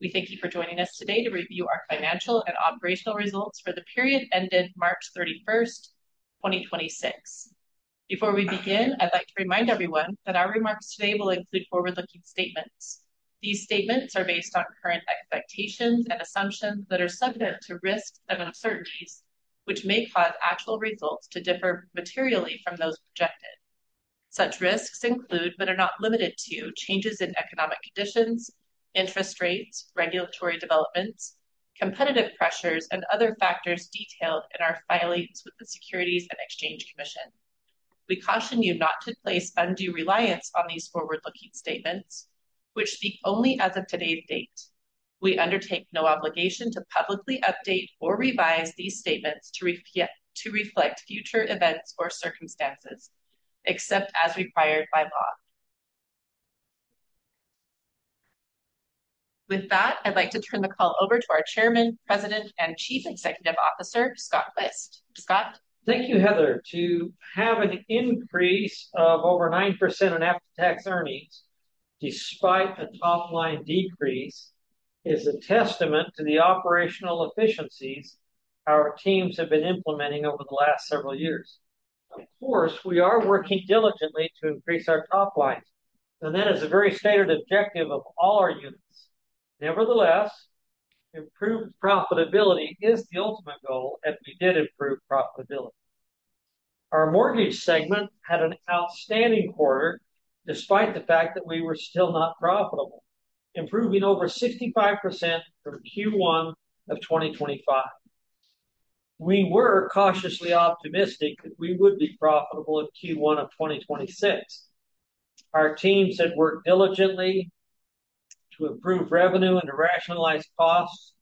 We thank you for joining us today to review our financial and operational results for the period ended March 31st, 2026. Before we begin, I'd like to remind everyone that our remarks today will include forward-looking statements. These statements are based on current expectations and assumptions that are subject to risks and uncertainties, which may cause actual results to differ materially from those projected. Such risks include, but are not limited to, changes in economic conditions, interest rates, regulatory developments, competitive pressures, and other factors detailed in our filings with the Securities and Exchange Commission. We caution you not to place undue reliance on these forward-looking statements, which speak only as of today's date. We undertake no obligation to publicly update or revise these statements to reflect future events or circumstances, except as required by law. With that, I'd like to turn the call over to our Chairman, President, and Chief Executive Officer, Scott Quist. Scott? Thank you, Heather. To have an increase of over 9% on after-tax earnings despite a top line decrease is a testament to the operational efficiencies our teams have been implementing over the last several years. Of course, we are working diligently to increase our top lines. That is a very stated objective of all our units. Nevertheless, improved profitability is the ultimate goal. We did improve profitability. Our mortgage segment had an outstanding quarter despite the fact that we were still not profitable, improving over 65% from Q1 of 2025. We were cautiously optimistic that we would be profitable in Q1 of 2026. Our teams had worked diligently to improve revenue and to rationalize costs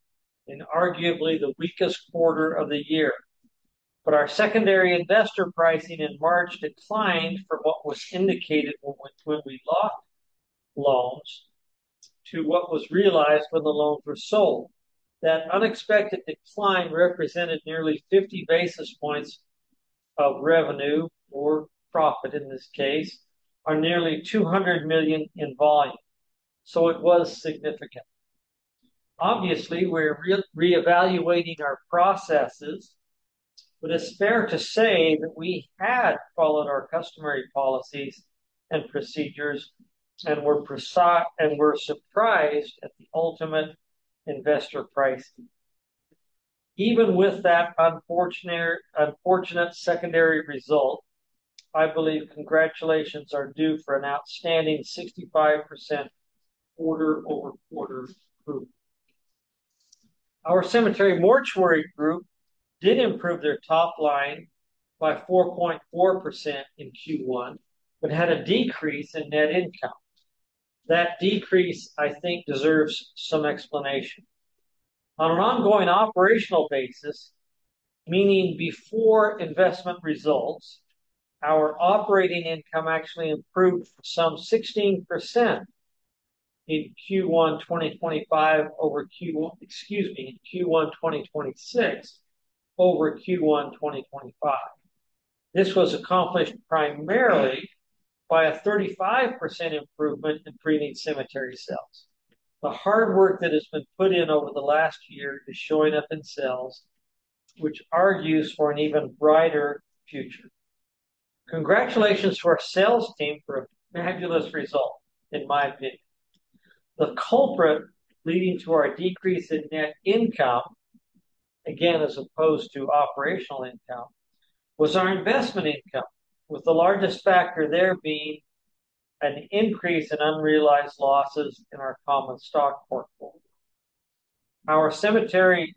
in arguably the weakest quarter of the year. Our secondary investor pricing in March declined for what was indicated when we locked loans to what was realized when the loans were sold. That unexpected decline represented nearly 50 basis points of revenue, or profit in this case, or nearly $200 million in volume, so it was significant. Obviously, we're reevaluating our processes, but it's fair to say that we had followed our customary policies and procedures and were surprised at the ultimate investor pricing. Even with that unfortunate secondary result, I believe congratulations are due for an outstanding 65% quarter-over-quarter improvement. Our Cemetery and Mortuary Group did improve their top line by 4.4% in Q1 but had a decrease in net income. That decrease, I think, deserves some explanation. On an ongoing operational basis, meaning before investment results, our operating income actually improved some 16% in Q1 2025 over Q-- excuse me, in Q1 2026 over Q1 2025. This was accomplished primarily by a 35% improvement in preneed cemetery sales. The hard work that has been put in over the last year is showing up in sales, which argues for an even brighter future. Congratulations to our sales team for a fabulous result, in my opinion. The culprit leading to our decrease in net income, again, as opposed to operational income, was our investment income with the largest factor there being an increase in unrealized losses in our common stock portfolio. Our cemetery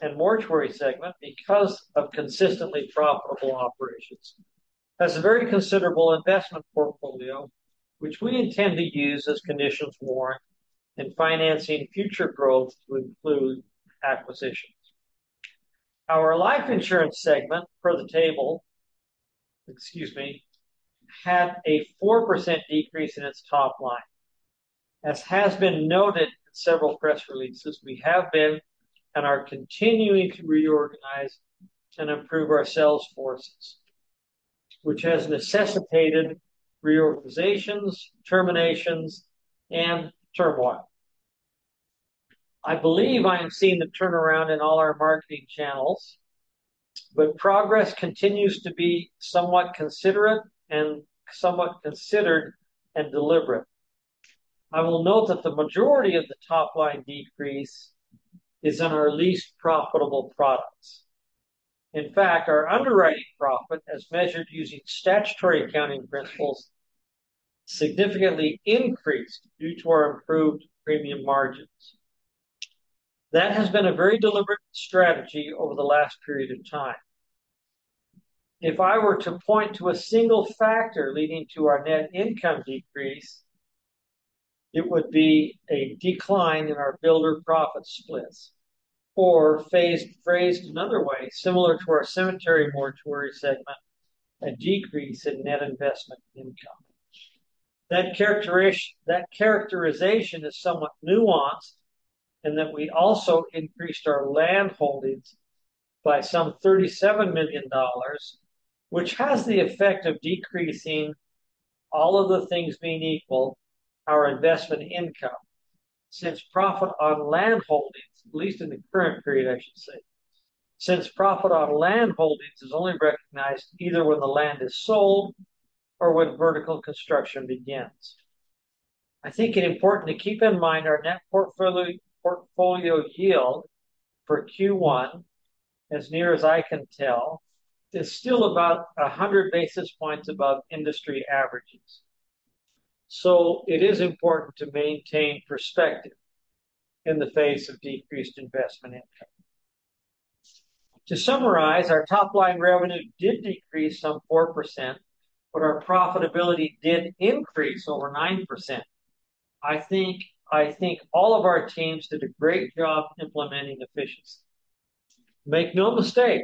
and mortuary segment, because of consistently profitable operations, has a very considerable investment portfolio which we intend to use as conditions warrant in financing future growth to include acquisitions. Our life Insurance segment from the table, excuse me, had a 4% decrease in its top line. As has been noted in several press releases, we have been and are continuing to reorganize and improve our sales forces, which has necessitated reorganizations, terminations, and turmoil. I believe I am seeing the turnaround in all our marketing channels, progress continues to be somewhat considered and deliberate. I will note that the majority of the top-line decrease is in our least profitable products. In fact, our underwriting profit, as measured using Statutory Accounting Principles, significantly increased due to our improved premium margins. That has been a very deliberate strategy over the last period of time. If I were to point to a single factor leading to our net income decrease, it would be a decline in our builder profit splits. Phrased another way, similar to our Cemetery and Mortuary segment, a decrease in net investment income. That characterization is somewhat nuanced. We also increased our land holdings by some $37 million, which has the effect of decreasing, all of the things being equal, our investment income since profit on land holdings, at least in the current period, I should say, since profit on land holdings is only recognized either when the land is sold or when vertical construction begins. I think it important to keep in mind our net portfolio yield for Q1, as near as I can tell, is still about 100 basis points above industry averages. It is important to maintain perspective in the face of decreased investment income. To summarize, our top line revenue did decrease some 4%, but our profitability did increase over 9%. I think all of our teams did a great job implementing efficiency. Make no mistake,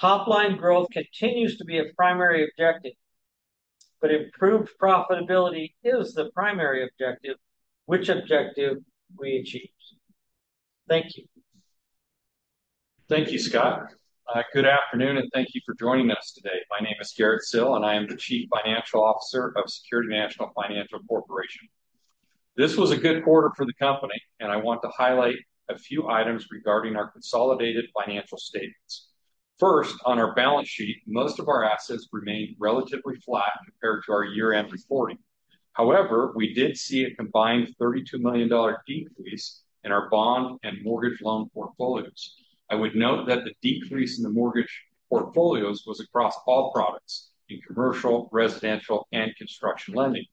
top line growth continues to be a primary objective, but improved profitability is the primary objective, which objective we achieved. Thank you. Thank you, Scott. Good afternoon, and thank you for joining us today. My name is Garrett Sill, and I am the Chief Financial Officer of Security National Financial Corporation. This was a good quarter for the company, and I want to highlight a few items regarding our consolidated financial statements. First, on our balance sheet, most of our assets remained relatively flat compared to our year-end reporting. However, we did see a combined $32 million decrease in our bond and mortgage loan portfolios. I would note that the decrease in the mortgage portfolios was across all products, in commercial, residential, and construction lending.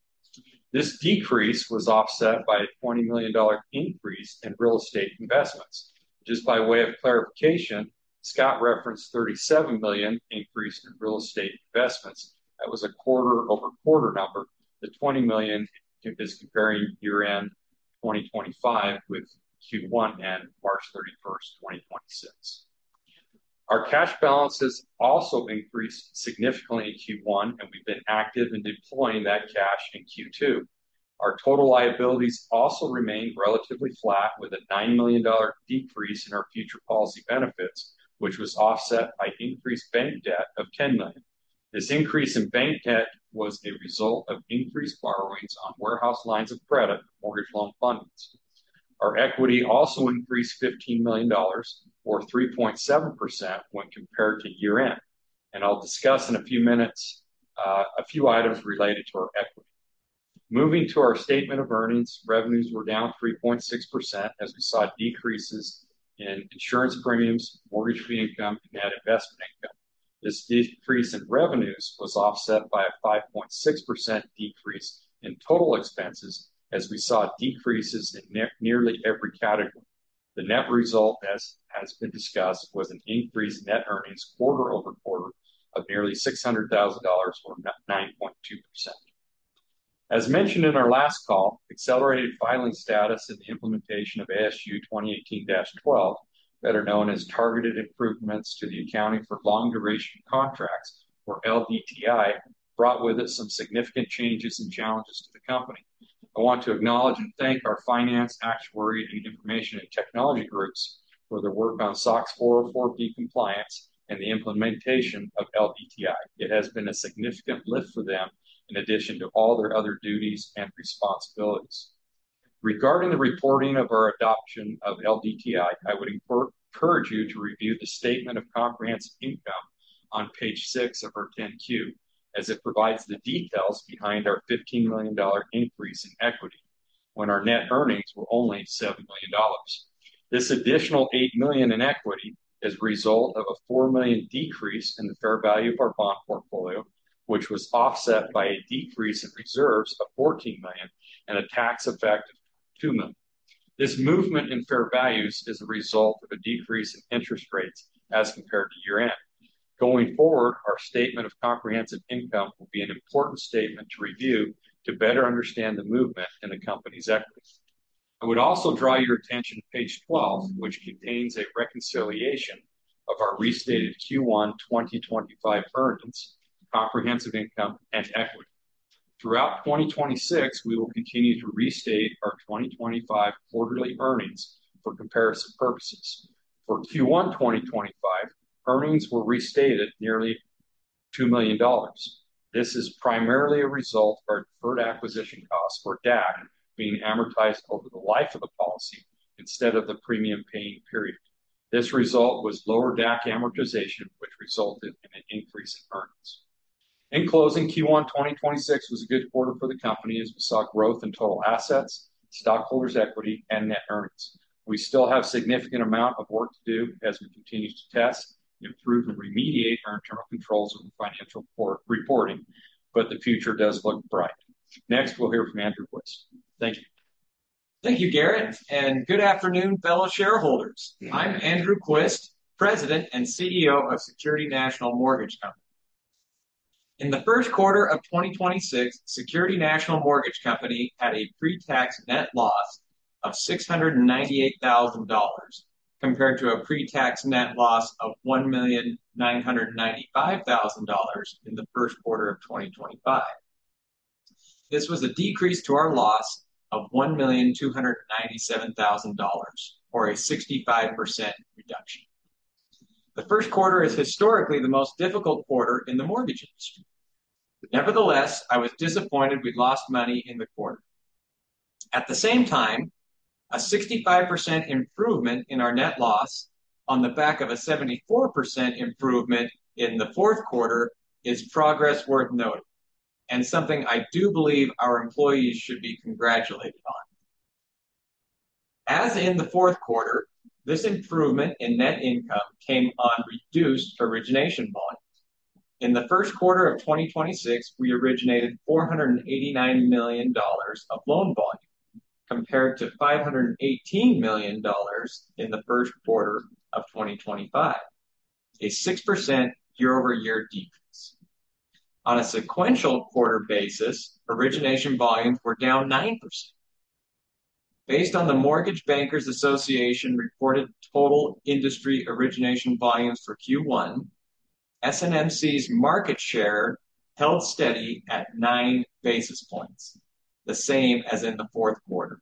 This decrease was offset by a $20 million increase in real estate investments. Just by way of clarification, Scott referenced $37 million increase in real estate investments. That was a quarter-over-quarter number. The $20 million is comparing year-end 2025 with Q1 and March 31st, 2026. Our cash balances also increased significantly in Q1, and we've been active in deploying that cash in Q2. Our total liabilities also remained relatively flat with a $9 million decrease in our future policy benefits, which was offset by increased bank debt of $10 million. This increase in bank debt was a result of increased borrowings on warehouse lines of credit, mortgage loan fundings. Our equity also increased $15 million or 3.7% when compared to year-end. I'll discuss in a few minutes, a few items related to our equity. Moving to our statement of earnings, revenues were down 3.6% as we saw decreases in insurance premiums, mortgage fee income and net investment income. This decrease in revenues was offset by a 5.6% decrease in total expenses as we saw decreases in nearly every category. The net result, as has been discussed, was an increased net earnings quarter-over-quarter of nearly $600,000 or 9.2%. As mentioned in our last call, accelerated filing status and the implementation of ASU 2018-12, better known as Targeted Improvements to the Accounting for Long-Duration Contracts, or LDTI, brought with it some significant changes and challenges to the company. I want to acknowledge and thank our finance, actuary, and information and technology groups for their work on SOX 404(b) compliance and the implementation of LDTI. It has been a significant lift for them in addition to all their other duties and responsibilities. Regarding the reporting of our adoption of LDTI, I would encourage you to review the Statement of Comprehensive Income on Page 6 of our 10-Q, as it provides the details behind our $15 million increase in equity when our net earnings were only $7 million. This additional $8 million in equity is a result of a $4 million decrease in the fair value of our bond portfolio, which was offset by a decrease in reserves of $14 million and a tax effect of $2 million. This movement in fair values is a result of a decrease in interest rates as compared to year-end. Going forward, our Statement of Comprehensive Income will be an important statement to review to better understand the movement in the company's equities. I would also draw your attention to Page 12, which contains a reconciliation of our restated Q1 2025 earnings, comprehensive income, and equity. Throughout 2026, we will continue to restate our 2025 quarterly earnings for comparison purposes. For Q1 2025, earnings were restated nearly $2 million. This is primarily a result of our deferred acquisition costs, or DAC, being amortized over the life of the policy instead of the premium paying period. This result was lower DAC amortization, which resulted in an increase in earnings. In closing, Q1 2026 was a good quarter for the company as we saw growth in total assets, stockholders' equity, and net earnings. We still have significant amount of work to do as we continue to test, improve, and remediate our internal controls over the financial reporting. The future does look bright. Next, we'll hear from Andrew Quist. Thank you. Thank you, Garrett, and good afternoon, fellow shareholders. I'm Andrew Quist, President and CEO of Security National Mortgage Company. In the first quarter of 2026, Security National Mortgage Company had a pre-tax net loss of $698,000 compared to a pre-tax net loss of $1,995,000 in the first quarter of 2025. This was a decrease to our loss of $1,297,000, or a 65% reduction. The first quarter is historically the most difficult quarter in the mortgage industry. Nevertheless, I was disappointed we lost money in the quarter. At the same time, a 65% improvement in our net loss on the back of a 74% improvement in the fourth quarter is progress worth noting and something I do believe our employees should be congratulated on. As in the fourth quarter, this improvement in net income came on reduced origination volumes. In the first quarter of 2026, we originated $489 million of loan volume compared to $518 million in the first quarter of 2025, a 6% year-over-year decrease. On a sequential quarter basis, origination volumes were down 9%. Based on the Mortgage Bankers Association reported total industry origination volumes for Q1, SNMC's market share held steady at 9 basis points, the same as in the fourth quarter.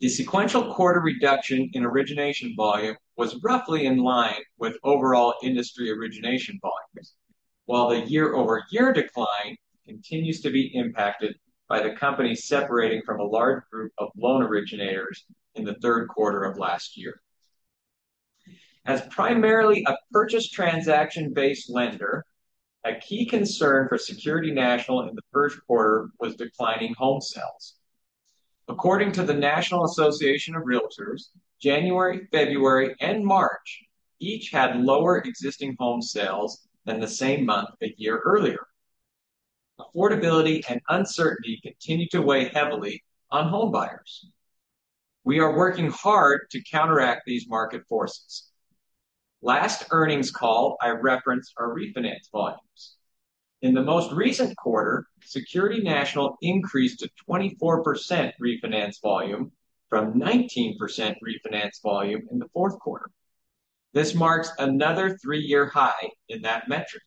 The sequential quarter reduction in origination volume was roughly in line with overall industry origination volumes. While the year-over-year decline continues to be impacted by the company separating from a large group of loan originators in the third quarter of last year. As primarily a purchase transaction-based lender, a key concern for Security National in the first quarter was declining home sales. According to the National Association of Realtors, January, February, and March each had lower existing home sales than the same month a year earlier. Affordability and uncertainty continue to weigh heavily on home buyers. We are working hard to counteract these market forces. Last earnings call, I referenced our refinance volumes. In the most recent quarter, Security National increased to 24% refinance volume from 19% refinance volume in the fourth quarter. This marks another three-year high in that metric.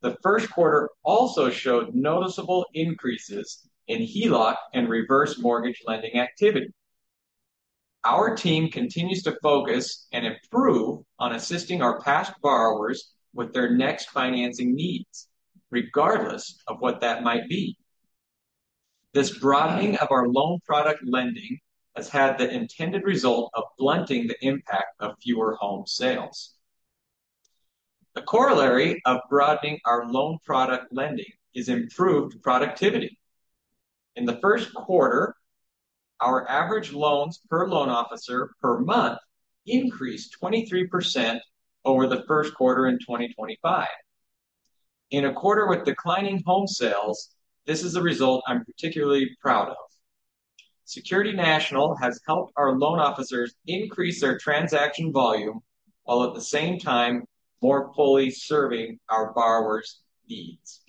The first quarter also showed noticeable increases in HELOC and reverse mortgage lending activity. Our team continues to focus and improve on assisting our past borrowers with their next financing needs, regardless of what that might be. This broadening of our loan product lending has had the intended result of blunting the impact of fewer home sales. The corollary of broadening our loan product lending is improved productivity. In the first quarter, our average loans per loan officer per month increased 23% over the first quarter in 2025. In a quarter with declining home sales, this is a result I'm particularly proud of. Security National has helped our loan officers increase their transaction volume while at the same time more fully serving our borrowers' needs.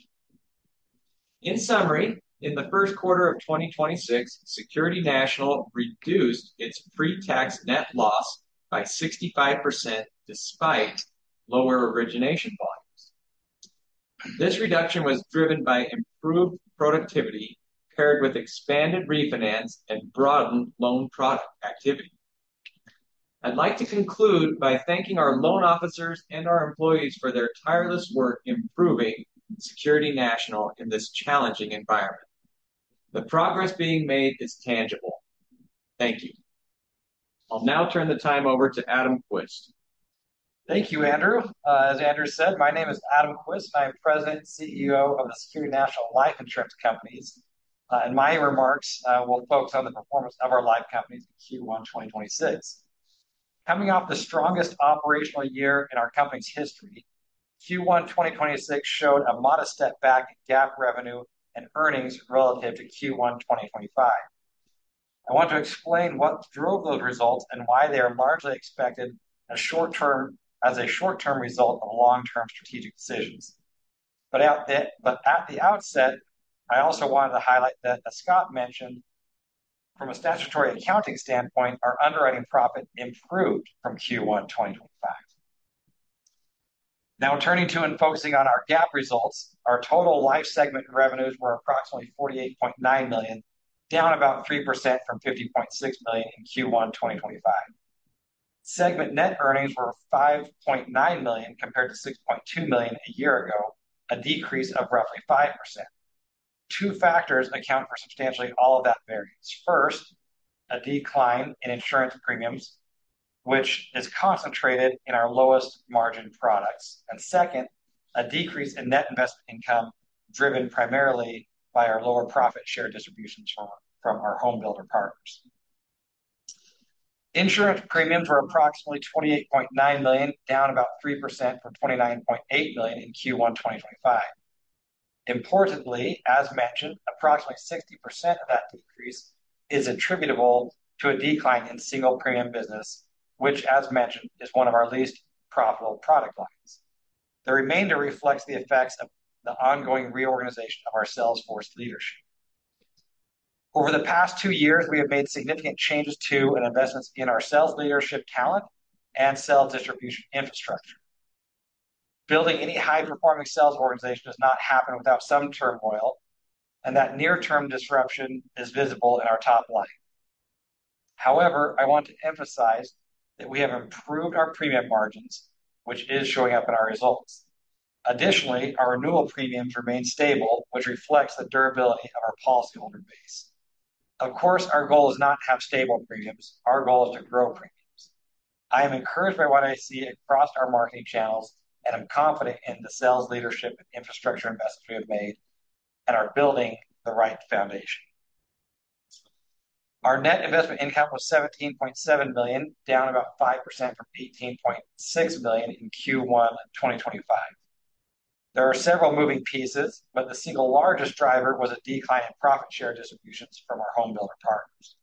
In summary, in the first quarter of 2026, Security National reduced its pre-tax net loss by 65% despite lower origination volumes. This reduction was driven by improved productivity paired with expanded refinance and broadened loan product activity. I'd like to conclude by thanking our loan officers and our employees for their tireless work improving Security National in this challenging environment. The progress being made is tangible. Thank you. I'll now turn the time over to Adam Quist. Thank you, Andrew. As Andrew said, my name is Adam Quist, and I'm President and CEO of the Security National Life Insurance Companies. My remarks will focus on the performance of our life companies in Q1 2026. Coming off the strongest operational year in our company's history, Q1 2026 showed a modest step back in GAAP revenue and earnings relative to Q1 2025. I want to explain what drove those results and why they are largely expected as a short-term result of long-term strategic decisions. At the outset, I also wanted to highlight that, as Scott mentioned, from a statutory accounting standpoint, our underwriting profit improved from Q1 2025. Turning to and focusing on our GAAP results, our total life segment revenues were approximately $48.9 million, down about 3% from $50.6 million in Q1 2025. Segment net earnings were $5.9 million compared to $6.2 million a year ago, a decrease of roughly 5%. Two factors account for substantially all of that variance. First, a decline in insurance premiums, which is concentrated in our lowest margin products. Second, a decrease in net investment income driven primarily by our lower profit share distributions from our home builder partners. Insurance premiums were approximately $28.9 million, down about 3% from $29.8 million in Q1 2025. Importantly, as mentioned, approximately 60% of that decrease is attributable to a decline in single premium business, which as mentioned, is one of our least profitable product lines. The remainder reflects the effects of the ongoing reorganization of our sales force leadership. Over the past two years, we have made significant changes to and investments in our sales leadership talent and sales distribution infrastructure. Building any high-performing sales organization does not happen without some turmoil, and that near-term disruption is visible in our top line. I want to emphasize that we have improved our premium margins, which is showing up in our results. Our renewal premiums remain stable, which reflects the durability of our policyholder base. Our goal is not to have stable premiums. Our goal is to grow premiums. I am encouraged by what I see across our marketing channels, and I'm confident in the sales leadership and infrastructure investments we have made and are building the right foundation. Our net investment income was $17.7 million, down about 5% from $18.6 million in Q1 2025. There are several moving pieces, but the single largest driver was a decline in profit share distributions from our home builder partners.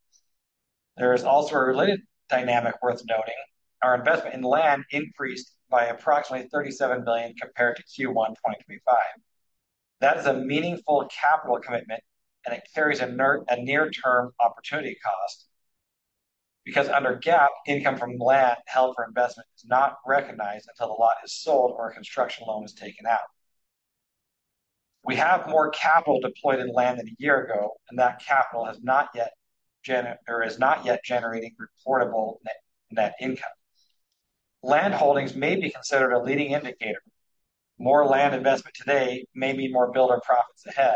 There is also a related dynamic worth noting. Our investment in land increased by approximately $37 million compared to Q1 2025. That is a meaningful capital commitment, and it carries a near-term opportunity cost because under GAAP, income from land held for investment is not recognized until the lot is sold or a construction loan is taken out. We have more capital deployed in land than a year ago, and that capital has not yet or is not yet generating reportable net income. Land holdings may be considered a leading indicator. More land investment today may mean more builder profits ahead,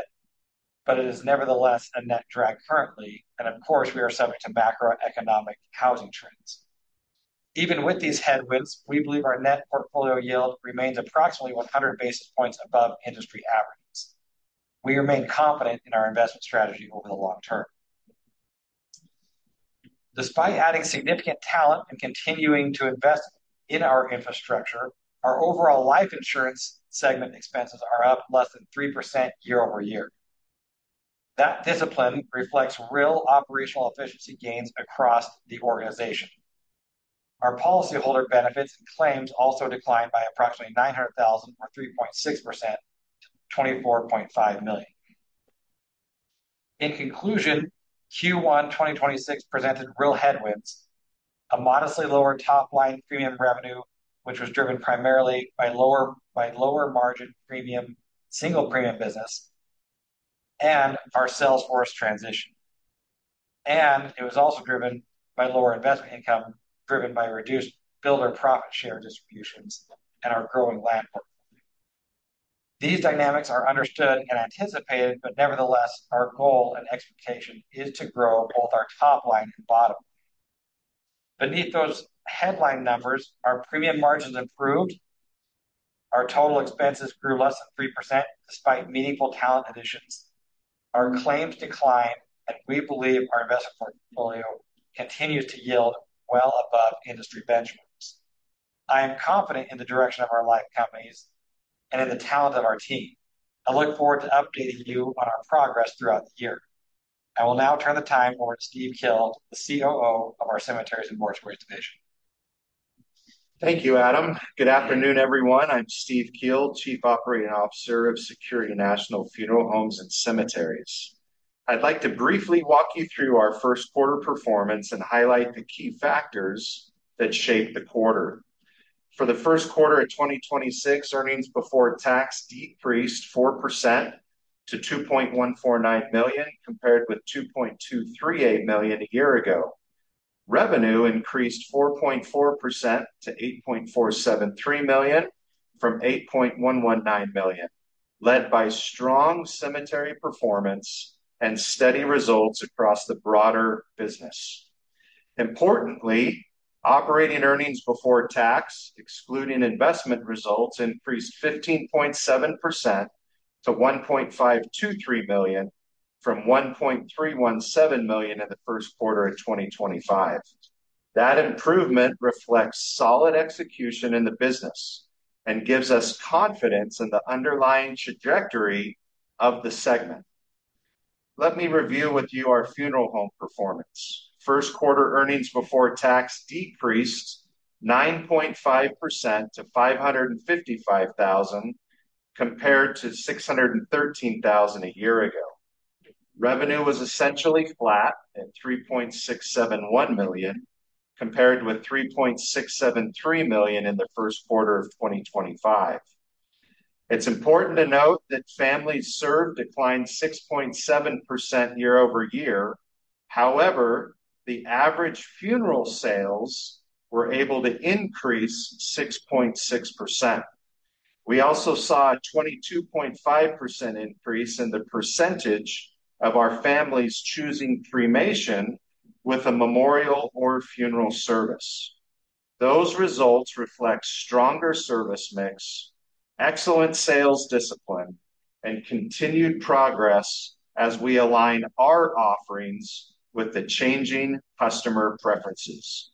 but it is nevertheless a net drag currently, and of course, we are subject to macroeconomic housing trends. Even with these headwinds, we believe our net portfolio yield remains approximately 100 basis points above industry averages. We remain confident in our investment strategy over the long term. Despite adding significant talent and continuing to invest in our infrastructure, our overall life insurance segment expenses are up less than 3% year-over-year. That discipline reflects real operational efficiency gains across the organization. Our policyholder benefits and claims also declined by approximately $900,000 or 3.6% to $24.5 million. In conclusion, Q1 2026 presented real headwinds, a modestly lower top-line premium revenue, which was driven primarily by lower margin premium single-premium business and our sales force transition. It was also driven by lower investment income driven by reduced builder profit share distributions and our growing land portfolio. These dynamics are understood and anticipated. Nevertheless, our goal and expectation is to grow both our top line and bottom line. Beneath those headline numbers, our premium margins improved, our total expenses grew less than 3% despite meaningful talent additions. Our claims declined. We believe our investment portfolio continues to yield well above industry benchmarks. I am confident in the direction of our life companies and in the talent of our team. I look forward to updating you on our progress throughout the year. I will now turn the time over to Steve Kiel, the COO of our Cemeteries and Mortuaries division. Thank you, Adam. Good afternoon, everyone. I'm Steve Kiel, Chief Operating Officer of Security National Funeral Homes & Cemeteries. I'd like to briefly walk you through our first quarter performance and highlight the key factors that shaped the quarter. For the first quarter of 2026, earnings before tax decreased 4% to $2.149 million, compared with $2.238 million a year ago. Revenue increased 4.4% to $8.473 million from $8.119 million, led by strong Cemetery performance and steady results across the broader business. Importantly, operating earnings before tax, excluding investment results, increased 15.7% to $1.523 million from $1.317 million in the first quarter of 2025. That improvement reflects solid execution in the business and gives us confidence in the underlying trajectory of the segment. Let me review with you our Funeral Home performance. First quarter earnings before tax decreased 9.5% to $555,000, compared to $613,000 a year ago. Revenue was essentially flat at $3.671 million, compared with $3.673 million in the first quarter of 2025. It's important to note that families served declined 6.7% year-over-year. However, the average funeral sales were able to increase 6.6%. We also saw a 22.5% increase in the percentage of our families choosing cremation with a memorial or funeral service. Those results reflect stronger service mix, excellent sales discipline, and continued progress as we align our offerings with the changing customer preferences.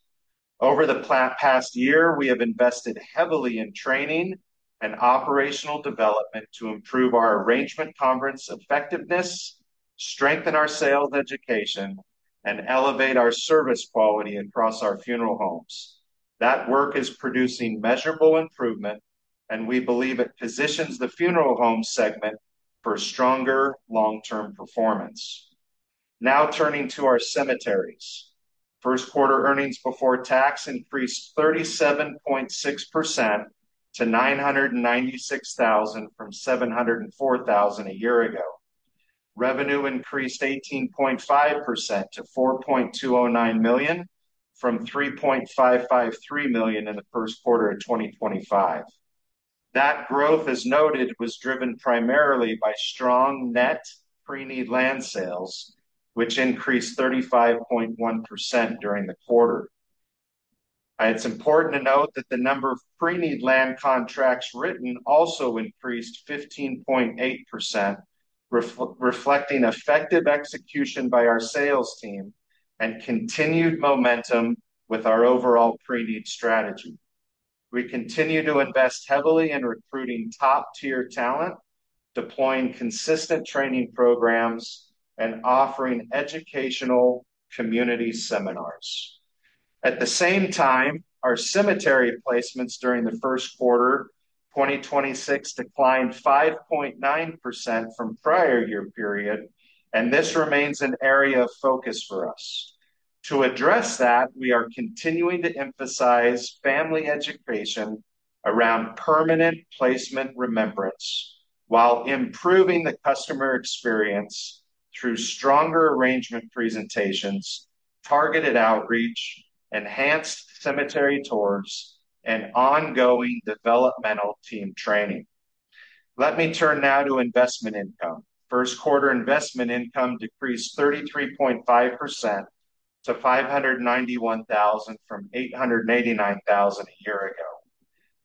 Over the past year, we have invested heavily in training and operational development to improve our arrangement conference effectiveness, strengthen our sales education, and elevate our service quality across our funeral homes. That work is producing measurable improvement. We believe it positions the funeral home segment for stronger long-term performance. Now turning to our Cemeteries. First quarter earnings before tax increased 37.6% to $996,000 from $704,000 a year ago. Revenue increased 18.5% to $4.209 million from $3.553 million in the first quarter of 2025. That growth, as noted, was driven primarily by strong net pre-need land sales, which increased 35.1% during the quarter. It's important to note that the number of pre-need land contracts written also increased 15.8%, reflecting effective execution by our sales team and continued momentum with our overall pre-need strategy. We continue to invest heavily in recruiting top-tier talent, deploying consistent training programs, and offering educational community seminars. At the same time, our cemetery placements during the first quarter 2026 declined 5.9% from prior year period, and this remains an area of focus for us. To address that, we are continuing to emphasize family education around permanent placement remembrance while improving the customer experience through stronger arrangement presentations, targeted outreach, enhanced cemetery tours, and ongoing developmental team training. Let me turn now to investment income. First quarter investment income decreased 33.5% to $591,000 from $889,000 a year ago.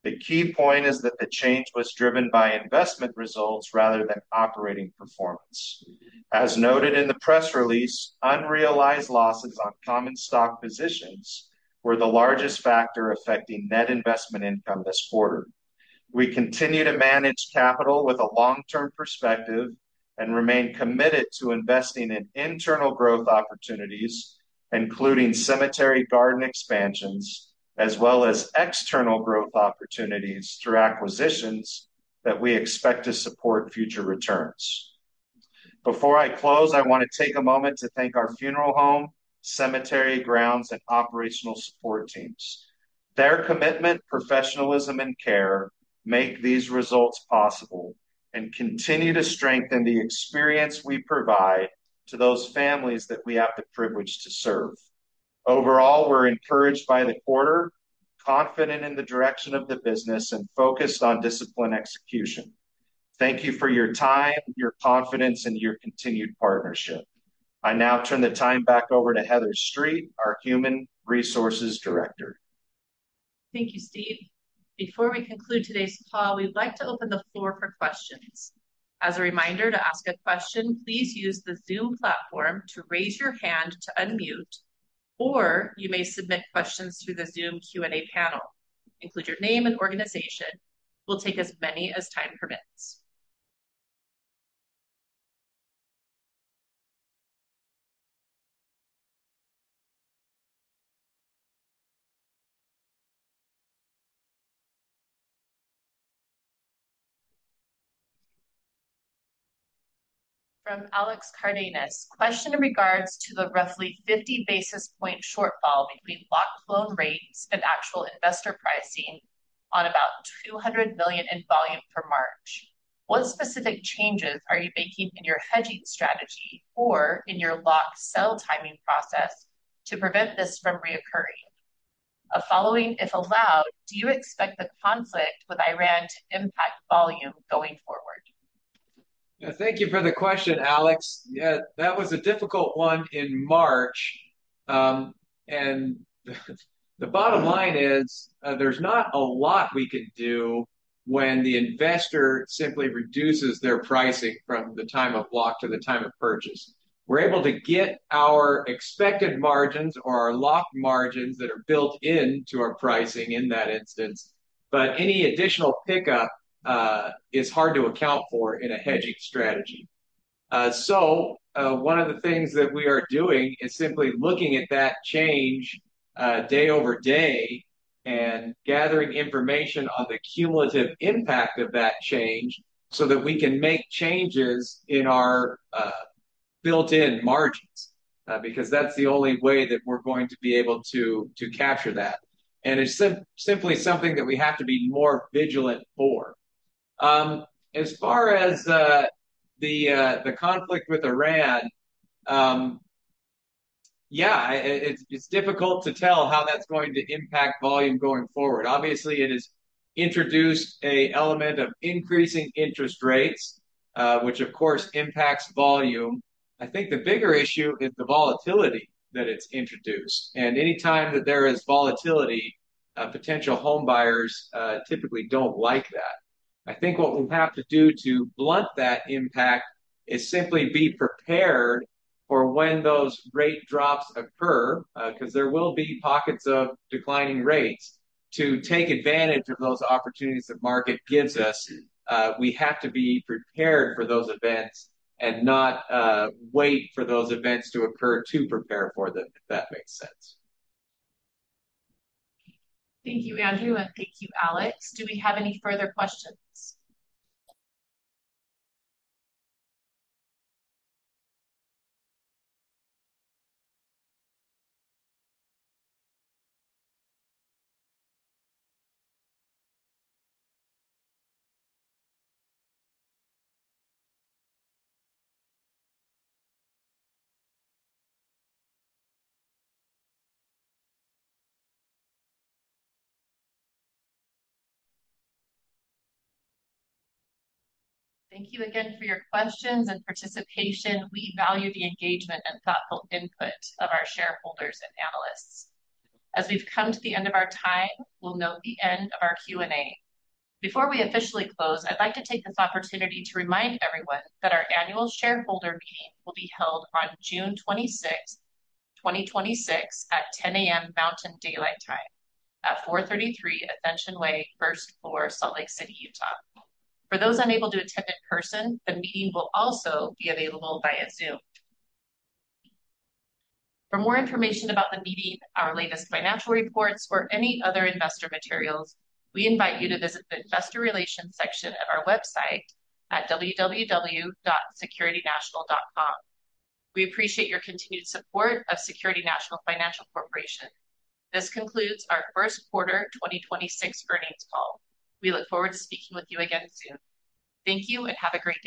The key point is that the change was driven by investment results rather than operating performance. As noted in the press release, unrealized losses on common stock positions were the largest factor affecting net investment income this quarter. We continue to manage capital with a long-term perspective and remain committed to investing in internal growth opportunities, including cemetery garden expansions, as well as external growth opportunities through acquisitions that we expect to support future returns. Before I close, I want to take a moment to thank our funeral home, cemetery grounds, and operational support teams. Their commitment, professionalism, and care make these results possible and continue to strengthen the experience we provide to those families that we have the privilege to serve. Overall, we're encouraged by the quarter, confident in the direction of the business, and focused on discipline execution. Thank you for your time, your confidence, and your continued partnership. I now turn the time back over to Heather Street, our Human Resources Director. Thank you, Steve. Before we conclude today's call, we'd like to open the floor for questions. As a reminder, to ask a question, please use the Zoom platform to raise your hand to unmute, or you may submit questions through the Zoom Q&A panel. Include your name and organization. We'll take as many as time permits. From Alex Cardenas, question in regards to the roughly 50 basis point shortfall between locked loan rates and actual investor pricing on about $200 billion in volume for March. What specific changes are you making in your hedging strategy or in your lock-sell timing process to prevent this from recurring? A following, if allowed, do you expect the conflict with Iran to impact volume going forward? Thank you for the question, Alex. Yeah, that was a difficult one in March. The bottom line is, there's not a lot we can do when the investor simply reduces their pricing from the time of lock to the time of purchase. We're able to get our expected margins or our locked margins that are built into our pricing in that instance. Any additional pickup is hard to account for in a hedging strategy. One of the things that we are doing is simply looking at that change day over day and gathering information on the cumulative impact of that change so that we can make changes in our built-in margins. Because that's the only way that we're going to be able to capture that. It's simply something that we have to be more vigilant for. As far as the conflict with Iran, it's difficult to tell how that's going to impact volume going forward. Obviously, it has introduced a element of increasing interest rates, which of course impacts volume. I think the bigger issue is the volatility that it's introduced. Anytime that there is volatility, potential home buyers typically don't like that. I think what we'll have to do to blunt that impact is simply be prepared for when those rate drops occur, 'cause there will be pockets of declining rates, to take advantage of those opportunities the market gives us. We have to be prepared for those events and not wait for those events to occur to prepare for them, if that makes sense. Thank you, Andrew, and thank you, Alex. Do we have any further questions? Thank you again for your questions and participation. We value the engagement and thoughtful input of our shareholders and analysts. As we've come to the end of our time, we'll note the end of our Q&A. Before we officially close, I'd like to take this opportunity to remind everyone that our annual shareholder meeting will be held on June 26th, 2026 at 10:00 A.M. Mountain Daylight Time at 433 Ascension Way, first floor, Salt Lake City, Utah. For those unable to attend in person, the meeting will also be available via Zoom. For more information about the meeting, our latest financial reports, or any other investor materials, we invite you to visit the investor relations section at our website at www.securitynational.com. We appreciate your continued support of Security National Financial Corporation. This concludes our first quarter 2026 earnings call. We look forward to speaking with you again soon. Thank you and have a great day.